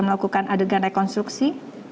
melakukan adegan rekonstruksi